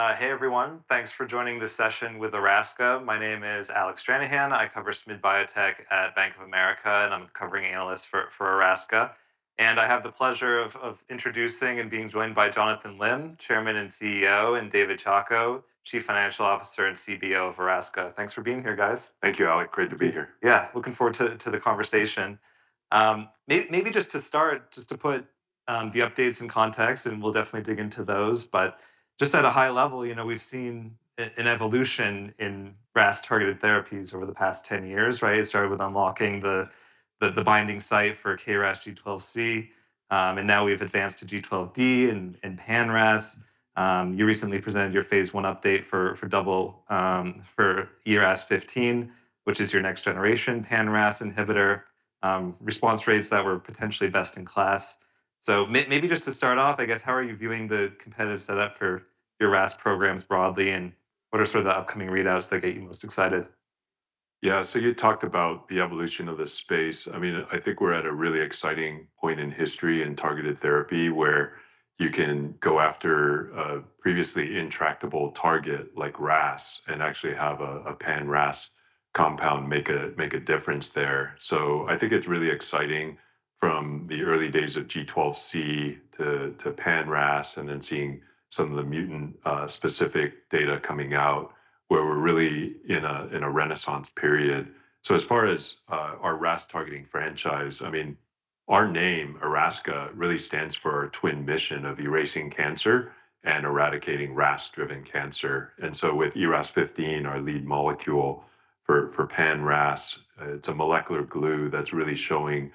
Hey, everyone. Thanks for joining this session with Erasca. My name is Alec Stranahan. I cover SMID Biotech at Bank of America, and I'm a covering analyst for Erasca. I have the pleasure of introducing and being joined by Jonathan Lim, Chairman and CEO, and David Chacko, Chief Financial Officer and CBO of Erasca. Thanks for being here, guys. Thank you, Alec. Great to be here. Yeah, looking forward to the conversation. Maybe just to start, just to put the updates in context, and we'll definitely dig into those. But just at a high level, you know, we've seen an evolution in RAS-targeted therapies over the past 10 years, right? It started with unlocking the binding site for KRAS G12C, and now we've advanced to G12D and pan-RAS. You recently presented your phase I update for ERAS-0015, which is your next generation pan-RAS inhibitor, response rates that were potentially best in class. Maybe just to start off, I guess, how are you viewing the competitive setup for your RAS programs broadly, and what are sort of the upcoming readouts that get you most excited? Yeah. You talked about the evolution of the space. I mean, I think we're at a really exciting point in history in targeted therapy, where you can go after a previously intractable target like RAS and actually have a pan-RAS compound make a difference there. I think it's really exciting from the early days of G12C to pan-RAS and then seeing some of the mutant specific data coming out where we're really in a renaissance period. As far as our RAS targeting franchise, I mean, our name, Erasca, really stands for our twin mission of erasing cancer and eradicating RAS-driven cancer. With ERAS-0015, our lead molecule for pan-RAS, it's a molecular glue that's really showing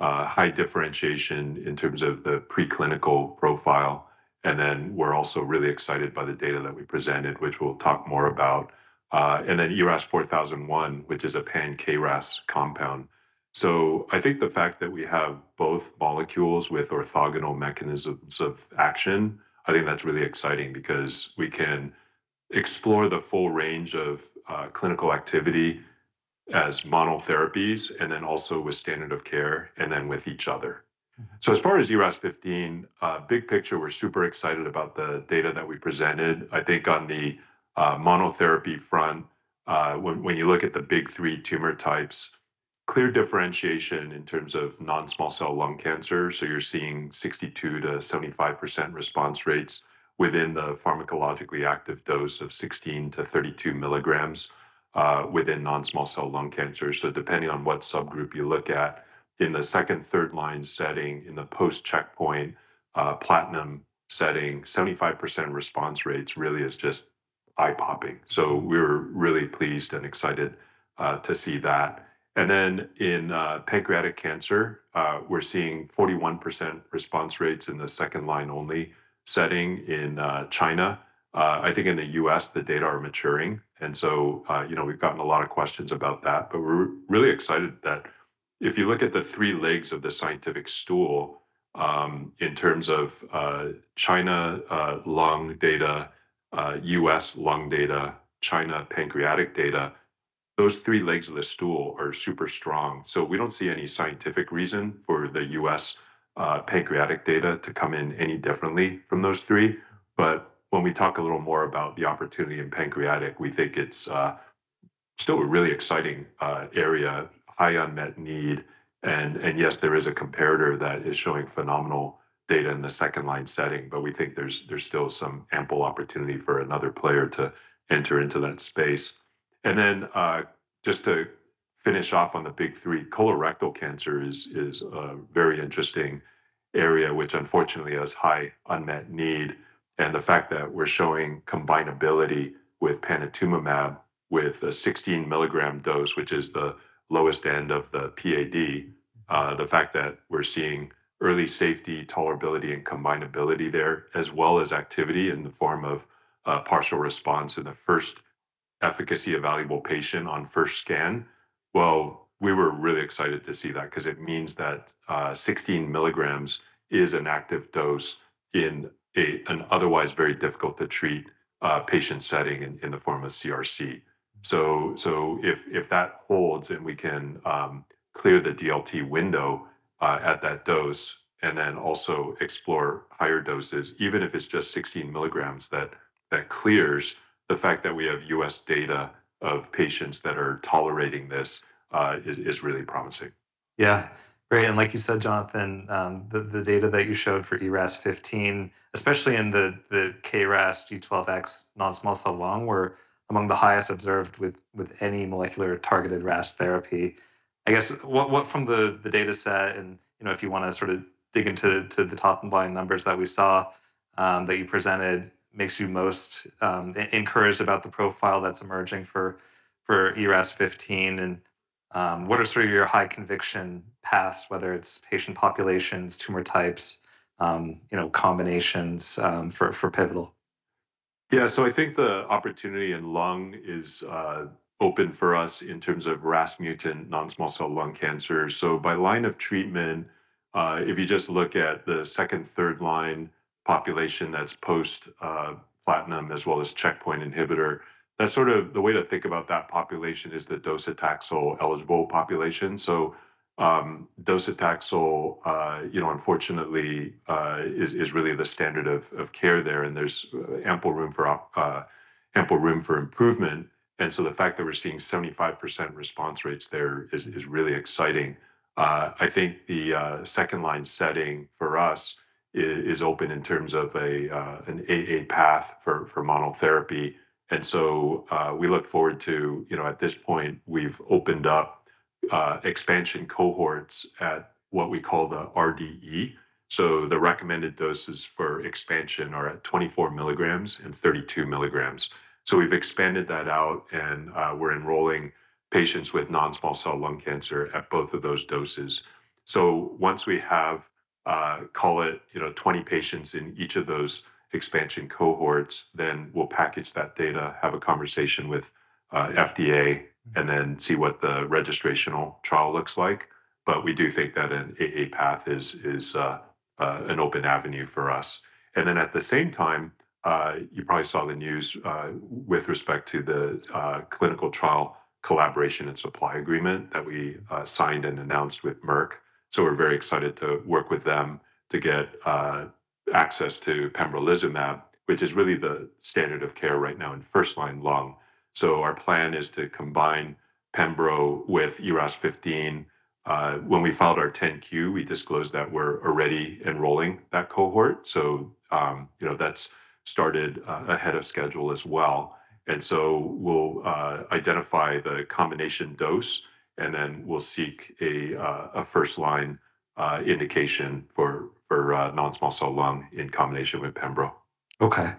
high differentiation in terms of the preclinical profile. We're also really excited by the data that we presented, which we'll talk more about, and then ERAS-4001, which is a pan-KRAS compound. I think the fact that we have both molecules with orthogonal mechanisms of action, I think that's really exciting because we can explore the full range of clinical activity as monotherapies and then also with standard of care and then with each other. As far as ERAS-0015, big picture, we're super excited about the data that we presented. I think on the monotherapy front, when you look at the big three tumor types, clear differentiation in terms of non-small cell lung cancer, so you're seeing 62%-75% response rates within the pharmacologically active dose of 16 mg-32 mg within non-small cell lung cancer. Depending on what subgroup you look at, in the second, third line setting, in the post-checkpoint, platinum setting, 75% response rates really is just eye-popping. We're really pleased and excited to see that. In pancreatic cancer, we're seeing 41% response rates in the second line only setting in China. I think in the U.S., the data are maturing, you know, we've gotten a lot of questions about that. We're really excited that if you look at the three legs of the scientific stool, in terms of China, lung data, U.S. lung data, China pancreatic data, those three legs of the stool are super strong. We don't see any scientific reason for the U.S. pancreatic data to come in any differently from those three. When we talk a little more about the opportunity in pancreatic, we think it's still a really exciting area, high unmet need. Yes, there is a comparator that is showing phenomenal data in the second line setting, but we think there's still some ample opportunity for another player to enter into that space. Just to finish off on the big three, colorectal cancer is a very interesting area, which unfortunately has high unmet need. The fact that we're showing combinability with panitumumab with a 16 mg dose, which is the lowest end of the PAD, the fact that we're seeing early safety tolerability and combinability there, as well as activity in the form of partial response in the first efficacy-evaluable patient on first scan, well, we were really excited to see that because it means that 16 mg is an active dose in an otherwise very difficult to treat patient setting in the form of CRC. If that holds and we can clear the DLT window at that dose and then also explore higher doses, even if it's just 16 mg that clears, the fact that we have U.S. data of patients that are tolerating this is really promising. Yeah. Great. Like you said, Jonathan, the data that you showed for ERAS-0015, especially in the KRAS G12X non-small cell lung were among the highest observed with any molecular targeted RAS therapy. I guess, what from the data set and, you know, if you wanna sort of dig into the top line numbers that we saw, that you presented makes you most encouraged about the profile that's emerging for ERAS-0015? What are sort of your high conviction paths, whether it's patient populations, tumor types, you know, combinations, for pivotal? Yeah. I think the opportunity in lung is open for us in terms of RAS mutant non-small cell lung cancer. By line of treatment, if you just look at the second, third line population that's post platinum as well as checkpoint inhibitor, that's sort of the way to think about that population is the docetaxel-eligible population. Docetaxel, you know, unfortunately, is really the standard of care there, and there's ample room for improvement. The fact that we're seeing 75% response rates there is really exciting. I think the second-line setting for us is open in terms of an AA path for monotherapy. We look forward to, you know, at this point, we've opened up expansion cohorts at what we call the RDE. The recommended doses for expansion are at 24 mg and 32 mg. We've expanded that out, and we're enrolling patients with non-small cell lung cancer at both of those doses. Once we have, call it, you know, 20 patients in each of those expansion cohorts, we'll package that data, have a conversation with FDA, and see what the registrational trial looks like. We do think that an AA path is an open avenue for us. At the same time, you probably saw the news with respect to the clinical trial collaboration and supply agreement that we signed and announced with Merck. We're very excited to work with them to get access to pembrolizumab, which is really the standard of care right now in first-line lung. Our plan is to combine pembro with ERAS-0015. When we filed our 10-Q, we disclosed that we're already enrolling that cohort. You know, that's started ahead of schedule as well. We'll identify the combination dose, and then we'll seek a first-line indication for non-small cell lung in combination with pembro. Okay.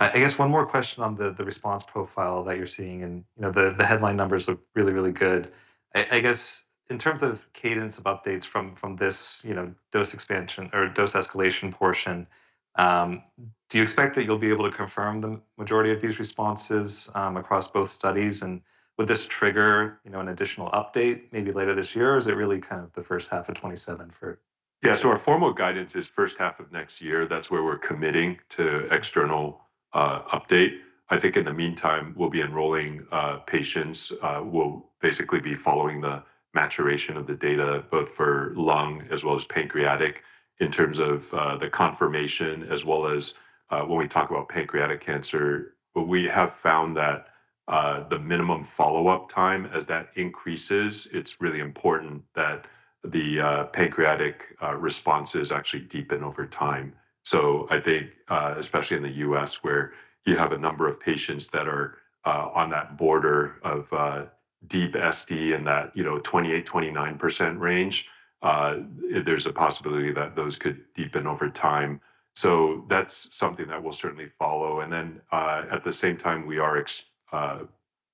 I guess one more question on the response profile that you're seeing and, you know, the headline numbers look really, really good. I guess in terms of cadence of updates from this, you know, dose expansion or dose escalation portion, do you expect that you'll be able to confirm the majority of these responses across both studies? Would this trigger, you know, an additional update maybe later this year? Or is it really kind of the first half of 2027? Yeah. Our formal guidance is first half of next year. That's where we're committing to external update. I think in the meantime, we'll be enrolling patients. We'll basically be following the maturation of the data both for lung as well as pancreatic in terms of the confirmation as well as when we talk about pancreatic cancer. We have found that the minimum follow-up time, as that increases, it's really important that the pancreatic responses actually deepen over time. I think, especially in the U.S. where you have a number of patients that are on that border of deep SD in that, you know, 28%-29% range, there's a possibility that those could deepen over time. That's something that we'll certainly follow. At the same time, we are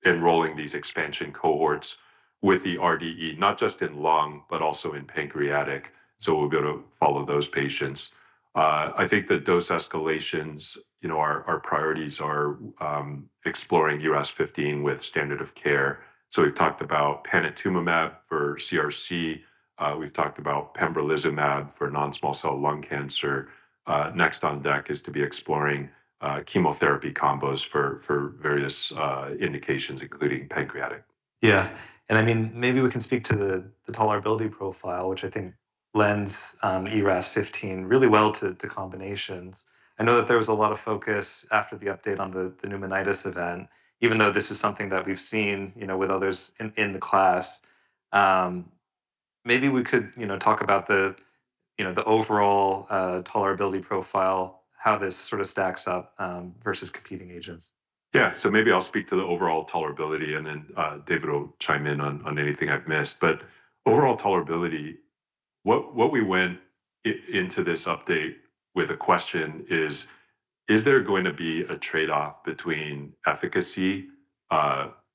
enrolling these expansion cohorts with the RDE, not just in lung, but also in pancreatic. We'll be able to follow those patients. I think that dose escalations, you know, our priorities are exploring ERAS-0015 with standard of care. We've talked about panitumumab for CRC. We've talked about pembrolizumab for non-small cell lung cancer. Next on deck is to be exploring chemotherapy combos for various indications, including pancreatic. Yeah. I mean, maybe we can speak to the tolerability profile, which I think lends ERAS-0015 really well to combinations. I know that there was a lot of focus after the update on the pneumonitis event, even though this is something that we've seen, you know, with others in the class. Maybe we could, you know, talk about the, you know, the overall tolerability profile, how this sort of stacks up versus competing agents. Maybe I'll speak to the overall tolerability, and then David will chime in on anything I've missed. Overall tolerability, what we went into this update with a question is there going to be a trade-off between efficacy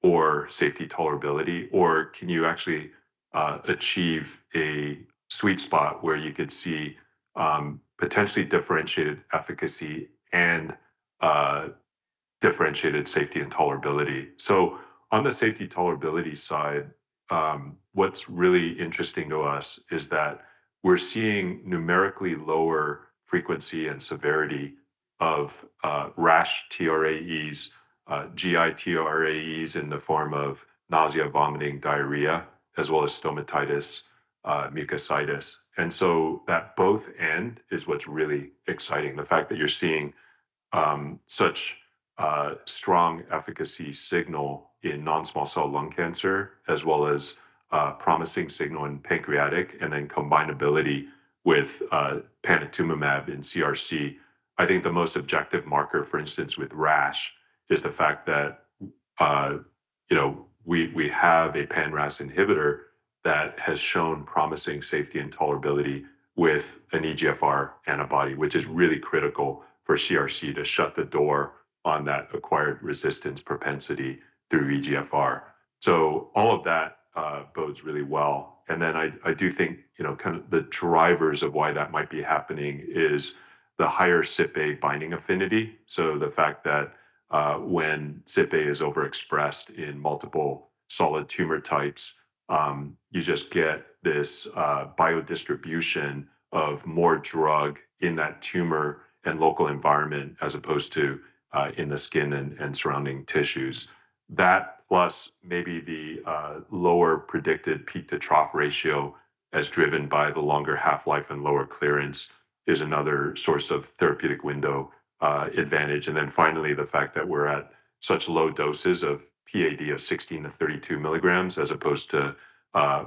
or safety tolerability? Can you actually achieve a sweet spot where you could see potentially differentiated efficacy and differentiated safety and tolerability? On the safety tolerability side, what's really interesting to us is that we're seeing numerically lower frequency and severity of rash TRAEs, GI TRAEs in the form of nausea, vomiting, diarrhea, as well as stomatitis, mucositis. That both ends is what's really exciting. The fact that you're seeing such strong efficacy signal in non-small cell lung cancer as well as promising signal in pancreatic and then combinability with panitumumab in CRC. I think the most objective marker, for instance, with rash is the fact that, you know, we have a pan-RAS inhibitor that has shown promising safety and tolerability with an EGFR antibody, which is really critical for CRC to shut the door on that acquired resistance propensity through EGFR. All of that bodes really well. I do think, you know, kind of the drivers of why that might be happening is the higher CypA binding affinity. The fact that, when CypA is overexpressed in multiple solid tumor types, you just get this biodistribution of more drug in that tumor and local environment as opposed to in the skin and surrounding tissues. That plus maybe the lower predicted peak to trough ratio as driven by the longer half-life and lower clearance is another source of therapeutic window advantage. Finally, the fact that we're at such low doses of PAD of 16 mg-32 mg as opposed to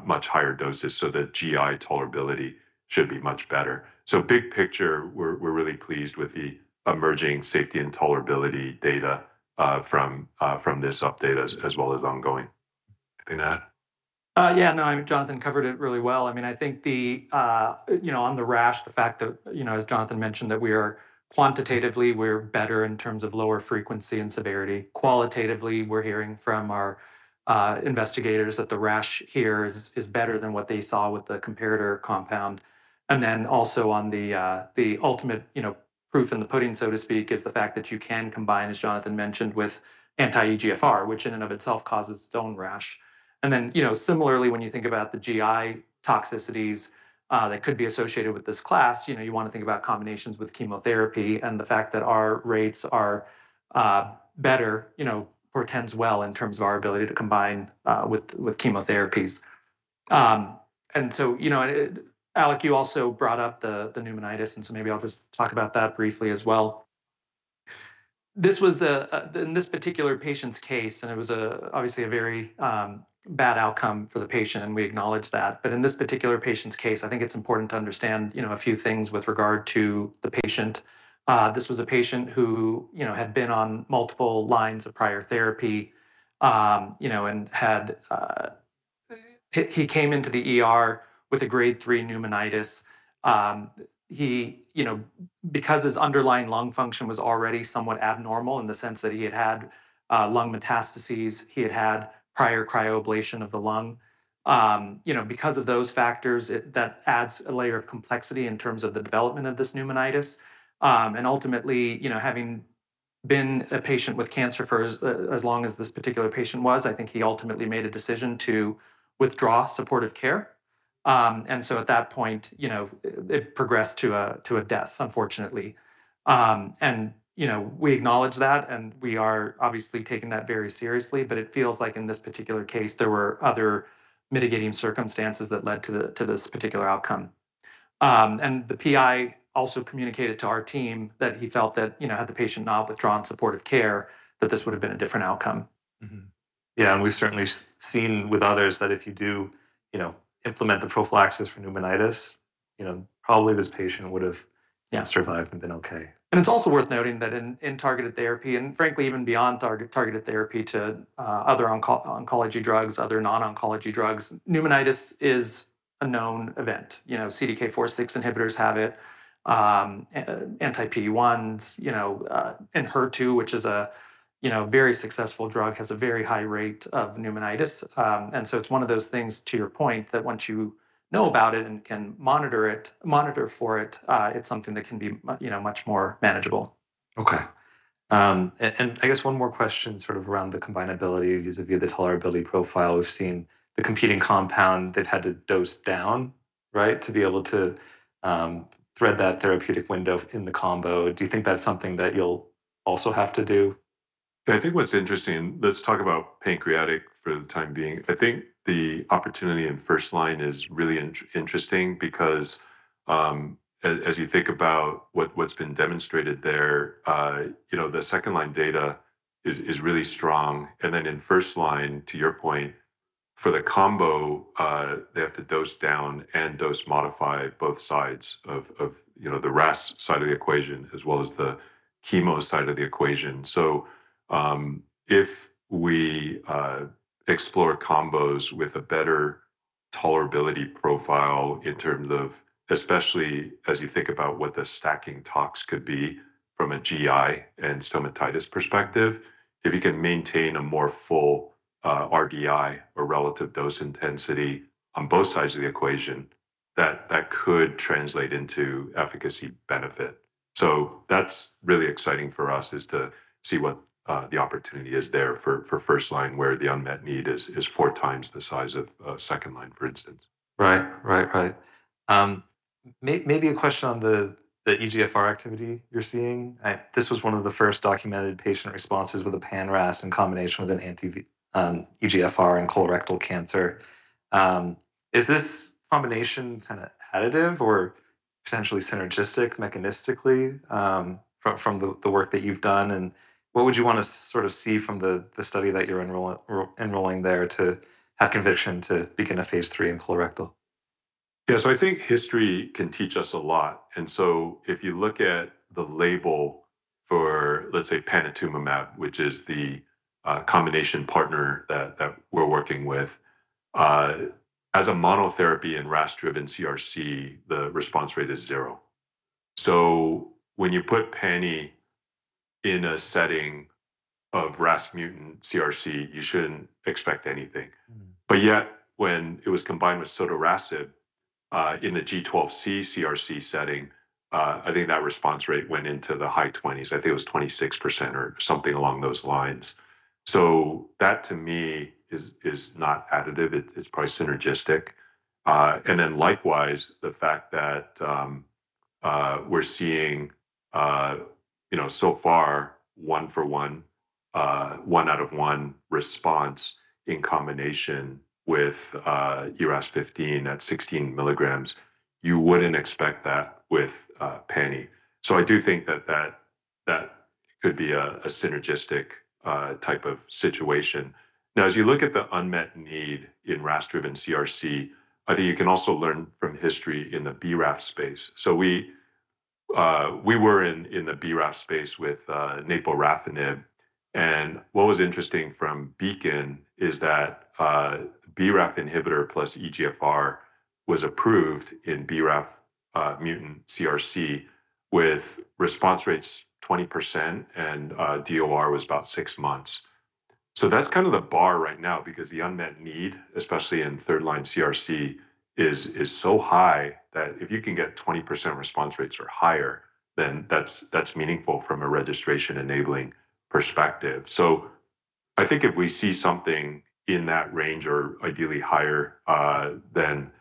much higher doses, the GI tolerability should be much better. Big picture, we're really pleased with the emerging safety and tolerability data from this update as well as ongoing. Anything to add? Yeah, no, Jonathan covered it really well. I mean, I think the, you know, on the rash, the fact that, you know, as Jonathan mentioned, that we are quantitatively we're better in terms of lower frequency and severity. Qualitatively, we're hearing from our investigators that the rash here is better than what they saw with the comparator compound. Also on the, you know, the ultimate proof in the pudding, so to speak, is the fact that you can combine, as Jonathan mentioned, with anti-EGFR, which in and of itself causes its ownstone rash. You know, similarly, when you think about the GI toxicities that could be associated with this class, you know, you wanna think about combinations with chemotherapy and the fact that our rates are better, you know, portends well in terms of our ability to combine with chemotherapies. You know, Alec, you also brought up the pneumonitis, maybe I'll just talk about that briefly as well. This was in this particular patient's case, and it was obviously a very bad outcome for the patient, and we acknowledge that. In this particular patient's case, I think it's important to understand, you know, a few things with regard to the patient. This was a patient who, you know, had been on multiple lines of prior therapy, you know. He came into the ER with a Grade 3 pneumonitis. He, you know, because his underlying lung function was already somewhat abnormal in the sense that he had had lung metastases, he had had prior cryoablation of the lung. You know, because of those factors, that adds a layer of complexity in terms of the development of this pneumonitis. Ultimately, you know, having been a patient with cancer for as long as this particular patient was, I think he ultimately made a decision to withdraw supportive care. At that point, you know, it progressed to a death, unfortunately. You know, we acknowledge that. We are obviously taking that very seriously. It feels like in this particular case, there were other mitigating circumstances that led to the, to this particular outcome. The PI also communicated to our team that he felt that, you know, had the patient not withdrawn supportive care, that this would've been a different outcome. Mm-hmm. Yeah, we've certainly seen with others that if you do, you know, implement the prophylaxis for pneumonitis, you know, probably this patient would've- Yeah. -survived and been okay. It's also worth noting that in targeted therapy, and frankly even beyond targeted therapy to other oncology drugs, other non-oncology drugs, pneumonitis is a known event. You know, CDK4/6 inhibitors have it. Anti-PD-1s, you know, ENHERTU, which is a, you know, very successful drug, has a very high rate of pneumonitis. It's one of those things, to your point, that once you know about it and can monitor it, monitor for it's something that can be you know, much more manageable. Okay. I guess one more question sort of around the combinability vis-à-vis the tolerability profile. We've seen the competing compound, they've had to dose down, right, to be able to thread that therapeutic window in the combo. Do you think that's something that you'll also have to do? I think what's interesting, let's talk about pancreatic for the time being. I think the opportunity in first line is really interesting because, as you think about what's been demonstrated there, you know, the second line data is really strong. Then in first line, to your point, for the combo, they have to dose down and dose modify both sides of, you know, the RAS side of the equation as well as the chemo side of the equation. If we explore combos with a better tolerability profile in terms of, especially as you think about what the stacking tox could be from a GI and stomatitis perspective, if you can maintain a more full RDI or Relative Dose Intensity on both sides of the equation, that could translate into efficacy benefit. That's really exciting for us, is to see what the opportunity is there for first line where the unmet need is four times the size of second line, for instance. Right. Right. Right. Maybe a question on the EGFR activity you're seeing. This was one of the first documented patient responses with a pan-RAS in combination with an anti-EGFR and colorectal cancer. Is this combination kinda additive or potentially synergistic mechanistically from the work that you've done? What would you wanna sort of see from the study that you're enrolling there to have conviction to begin a phase III in colorectal? I think history can teach us a lot. If you look at the label for, let's say, panitumumab, which is the combination partner that we're working with, as a monotherapy in RAS-driven CRC, the response rate is zero. When you put pani in a setting of RAS mutant CRC, you shouldn't expect anything. When it was combined with sotorasib in the G12C CRC setting, I think that response rate went into the high 20s. I think it was 26% or something along those lines. That to me is not additive. It's probably synergistic. Likewise, the fact that we're seeing, you know, so far one for one out of one response in combination with ERAS-0015 at 16 mg. You wouldn't expect that with pani. I do think that could be a synergistic type of situation. Now, as you look at the unmet need in RAS-driven CRC, I think you can also learn from history in the BRAF space. We were in the BRAF space with naporafenib, and what was interesting from BEACON is that BRAF inhibitor plus EGFR was approved in BRAF mutant CRC with response rates 20% and DOR was about 6 months. That's kind of the bar right now because the unmet need, especially in third-line CRC, is so high that if you can get 20% response rates or higher, then that's meaningful from a registration-enabling perspective. I think if we see something in that range or ideally higher, then,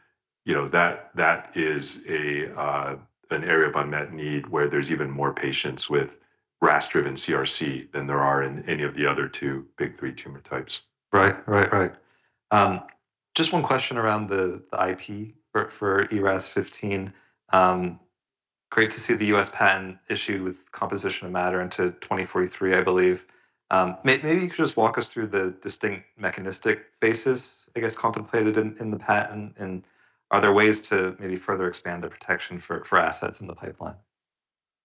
you know, that is an area of unmet need where there's even more patients with RAS-driven CRC than there are in any of the other two big three tumor types. Right. Right. Right. Just one question around the IP for ERAS-0015. Great to see the U.S. patent issued with composition of matter into 2043, I believe. Maybe you could just walk us through the distinct mechanistic basis, I guess, contemplated in the patent, and are there ways to maybe further expand the protection for assets in the pipeline?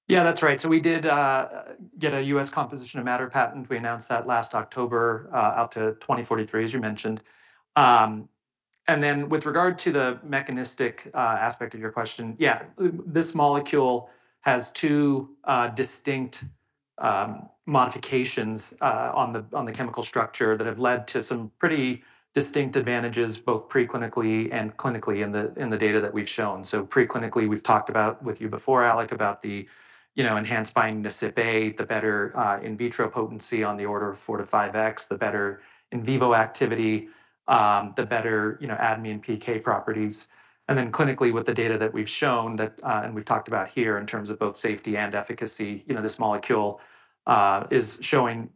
Yeah, that's right. We did get a U.S. composition of matter patent. We announced that last October, out to 2043, as you mentioned. With regard to the mechanistic aspect of your question, this molecule has two distinct modifications on the chemical structure that have led to some pretty distinct advantages, both preclinically and clinically in the data that we've shown. Preclinically, we've talked about with you before, Alec, about the, you know, enhanced binding to CypA, the better in vitro potency on the order of 4x-5x, the better in vivo activity, the better, you know, ADME and PK properties. Clinically, with the data that we've shown that, and we've talked about here in terms of both safety and efficacy, this molecule is showing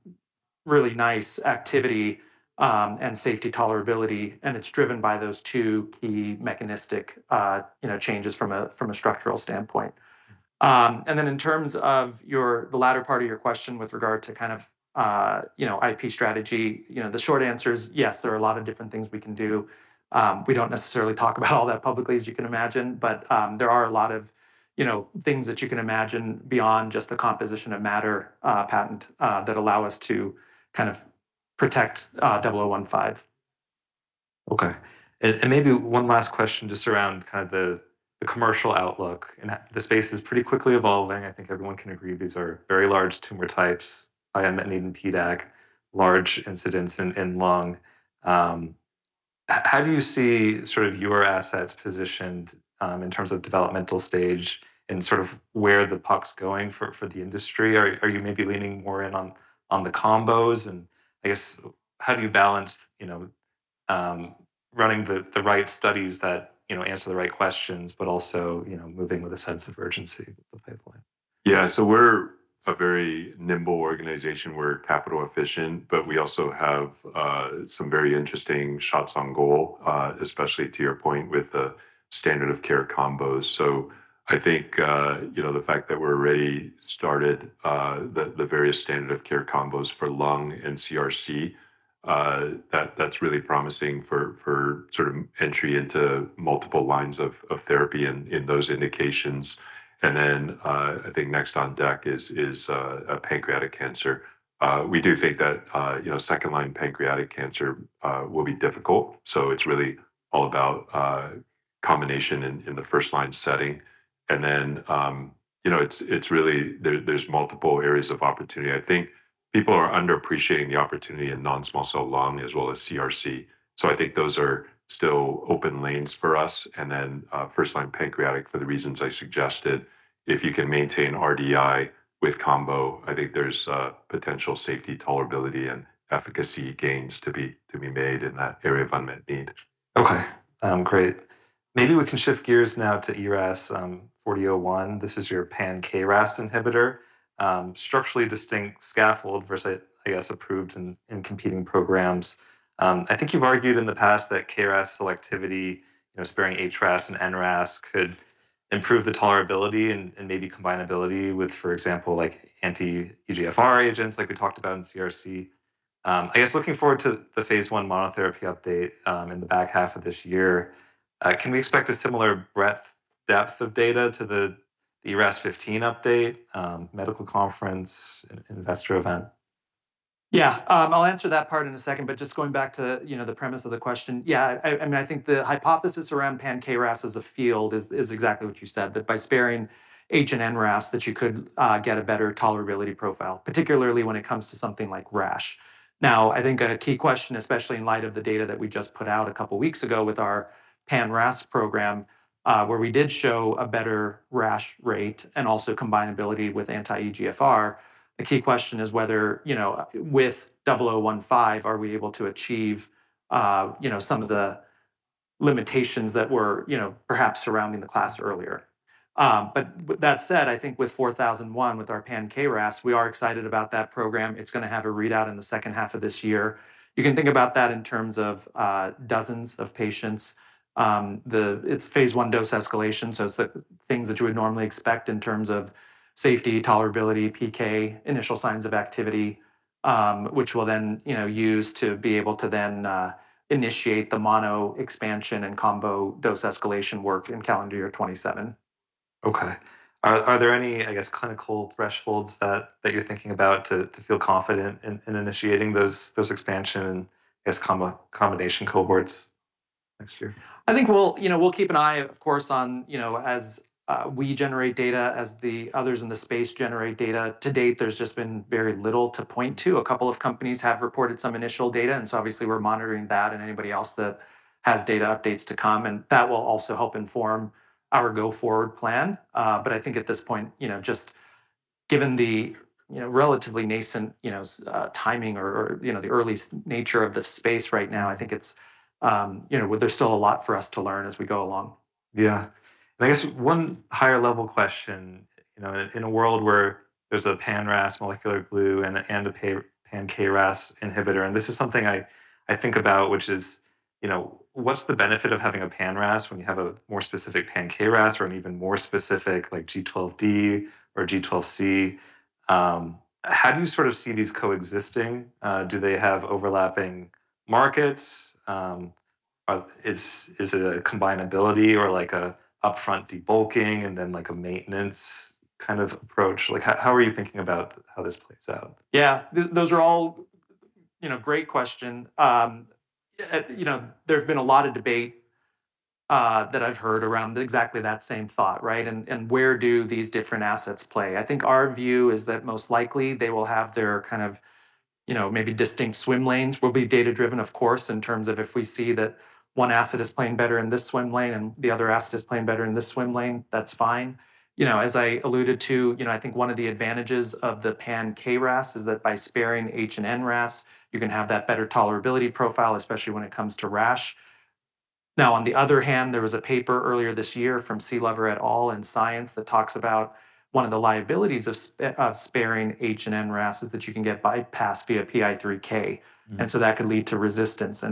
really nice activity, and safety tolerability, and it's driven by those two key mechanistic changes from a structural standpoint. In terms of the latter part of your question with regard to IP strategy, the short answer is yes, there are a lot of different things we can do. We don't necessarily talk about all that publicly, as you can imagine, but there are a lot of things that you can imagine beyond just the composition of matter patent that allow us to protect 0015. Okay. Maybe one last question just around kind of the commercial outlook, and the space is pretty quickly evolving. I think everyone can agree these are very large tumor types, unmet need in PDAC, large incidence in lung. How do you see sort of your assets positioned in terms of developmental stage and sort of where the puck's going for the industry? Are you maybe leaning more in on the combos? I guess how do you balance, you know, running the right studies that, you know, answer the right questions, but also, you know, moving with a sense of urgency with the pipeline? Yeah. We're a very nimble organization. We're capital efficient, but we also have some very interesting shots on goal, especially to your point with the standard of care combos. I think, you know, the fact that we're already started the various standard of care combos for lung and CRC, that's really promising for sort of entry into multiple lines of therapy in those indications. I think next on deck is pancreatic cancer. We do think that, you know, second-line pancreatic cancer will be difficult, so it's really all about combination in the first line setting. You know, it's really there's multiple areas of opportunity. I think people are underappreciating the opportunity in non-small cell lung as well as CRC. I think those are still open lanes for us, and then, first line pancreatic for the reasons I suggested. If you can maintain RDI with combo, I think there's potential safety tolerability and efficacy gains to be made in that area of unmet need. Okay. Great. Maybe we can shift gears now to ERAS-4001. This is your pan-KRAS inhibitor. Structurally distinct scaffold versus, I guess, approved in competing programs. I think you've argued in the past that KRAS selectivity, you know, sparing HRAS and NRAS could improve the tolerability and maybe combinability with, for example, like anti-EGFR agents like we talked about in CRC. I guess looking forward to the phase I monotherapy update in the back half of this year, can we expect a similar breadth, depth of data to the ERAS-0015 update, medical conference, investor event? Yeah. I'll answer that part in a second, but just going back to, you know, the premise of the question. I mean, I think the hypothesis around pan-KRAS as a field is exactly what you said, that by sparing H and NRAS, that you could get a better tolerability profile, particularly when it comes to something like rash. Now, I think a key question, especially in light of the data that we just put out a couple weeks ago with our pan-RAS program, where we did show a better rash rate and also combinability with anti-EGFR. A key question is whether, you know, with 0015, are we able to achieve, you know, some of the limitations that were, you know, perhaps surrounding the class earlier. With that said, I think with ERAS-4001, with our pan-KRAS, we are excited about that program. It's going to have a readout in the second half of this year. You can think about that in terms of dozens of patients. It's phase I dose escalation, it's the things that you would normally expect in terms of safety, tolerability, PK, initial signs of activity, which we'll then, you know, use to be able to then initiate the mono expansion and combo dose escalation work in calendar year 2027. Okay. Are there any, I guess, clinical thresholds that you're thinking about to feel confident in initiating those expansion, I guess combination cohorts next year? I think we'll, you know, we'll keep an eye, of course, on, you know, as we generate data, as the others in the space generate data. To date, there's just been very little to point to. A couple of companies have reported some initial data, and so obviously we're monitoring that and anybody else that has data updates to come, and that will also help inform our go-forward plan. I think at this point, you know, just given the, you know, relatively nascent, you know, timing or, you know, the early nature of the space right now, I think it's, you know, well, there's still a lot for us to learn as we go along. Yeah. I guess one higher level question, you know, in a world where there's a pan-RAS molecular glue and a pan-KRAS inhibitor, this is something I think about which is, you know, what's the benefit of having a pan-RAS when you have a more specific pan-KRAS or an even more specific like G12D or G12C? How do you sort of see these coexisting? Do they have overlapping markets? Is it a combinability or like a upfront debulking and then like a maintenance kind of approach? How are you thinking about how this plays out? Yeah. Those are all, you know, great question. You know, there's been a lot of debate that I've heard around exactly that same thought, right? Where do these different assets play? I think our view is that most likely they will have their kind of, you know, maybe distinct swim lanes. We'll be data-driven, of course, in terms of if we see that one asset is playing better in this swim lane and the other asset is playing better in this swim lane, that's fine. You know, as I alluded to, you know, I think one of the advantages of the pan-KRAS is that by sparing H and NRAS, you can have that better tolerability profile, especially when it comes to rash. On the other hand, there was a paper earlier this year from Seellever et al. in science that talks about one of the liabilities of sparing HRAS and NRAS is that you can get bypass via PI3K. That could lead to resistance.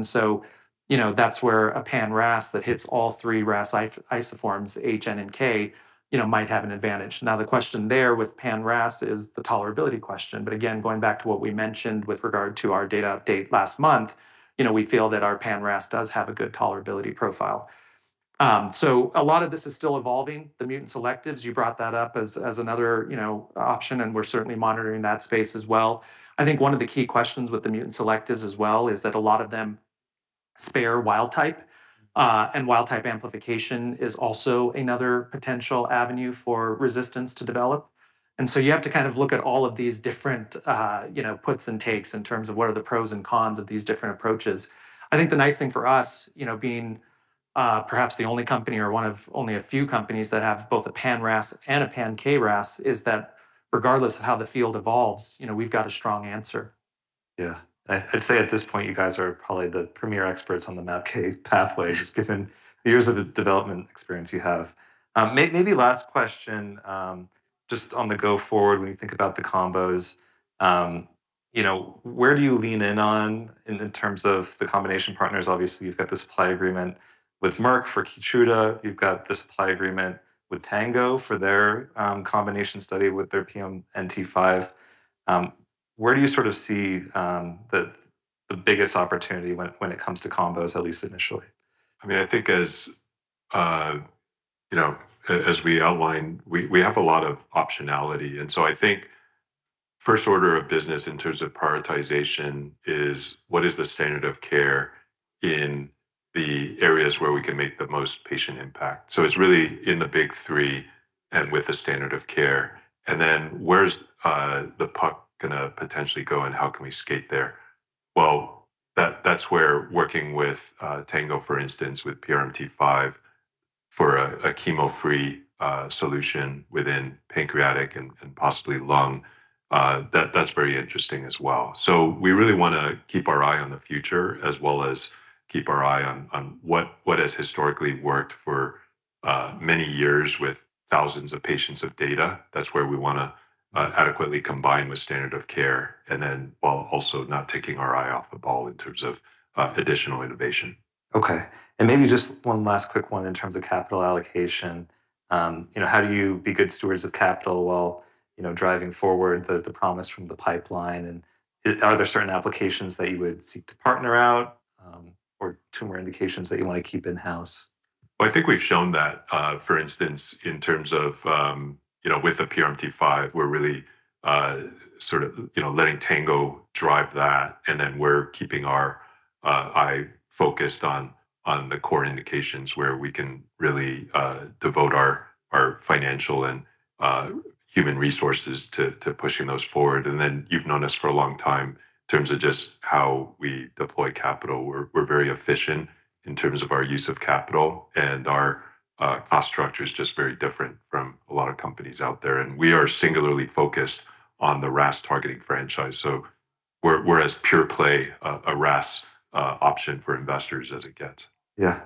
You know, that's where a pan-RAS that hits all three RAS isoforms H, N, and K, you know, might have an advantage. The question there with pan-RAS is the tolerability question. Going back to what we mentioned with regard to our data update last month, you know, we feel that our pan-RAS does have a good tolerability profile. A lot of this is still evolving. The mutant selectives, you brought that up as another, you know, option, and we're certainly monitoring that space as well. I think one of the key questions with the mutant selectives as well is that a lot of them spare wild type, and wild type amplification is also another potential avenue for resistance to develop. You have to kind of look at all of these different, you know, puts and takes in terms of what are the pros and cons of these different approaches. I think the nice thing for us, you know, being, perhaps the only company or one of only a few companies that have both a pan-RAS and a pan-KRAS, is that regardless of how the field evolves, you know, we've got a strong answer. Yeah. I'd say at this point, you guys are probably the premier experts on the MAPK pathway just given the years of development experience you have. Maybe last question, just on the go forward when you think about the combos. You know, where do you lean in on in terms of the combination partners? Obviously, you've got the supply agreement with Merck for KEYTRUDA. You've got the supply agreement with Tango for their combination study with their PRMT5. Where do you sort of see the biggest opportunity when it comes to combos, at least initially? I mean, I think as, you know, as we outlined, we have a lot of optionality. I think first order of business in terms of prioritization is what is the standard of care in the areas where we can make the most patient impact. It's really in the big three and with the standard of care. Where's the puck gonna potentially go, and how can we skate there? Well, that's where working with Tango, for instance, with PRMT5 for a chemo-free solution within pancreatic and possibly lung, that's very interesting as well. We really wanna keep our eye on the future as well as keep our eye on what has historically worked for many years with thousands of patients of data. That's where we wanna adequately combine with standard of care and then while also not taking our eye off the ball in terms of additional innovation. Okay. Maybe just one last quick one in terms of capital allocation. You know, how do you be good stewards of capital while, you know, driving forward the promise from the pipeline? Are there certain applications that you would seek to partner out, or tumor indications that you wanna keep in-house? I think we've shown that, for instance, in terms of, you know, with the PRMT5, we're really, sort of, you know, letting Tango drive that, and then we're keeping our eye focused on the core indications where we can really devote our financial and human resources to pushing those forward. You've known us for a long time in terms of just how we deploy capital. We're very efficient in terms of our use of capital, and our cost structure is just very different from a lot of companies out there. We are singularly focused on the RAS targeting franchise. We're as pure play a RAS option for investors as it gets. Yeah.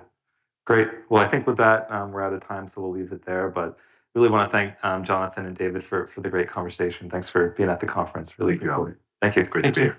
Great. Well, I think with that, we're out of time, so we'll leave it there. Really wanna thank Jonathan and David for the great conversation. Thanks for being at the conference. Really appreciate it. Thank you. Great to be here.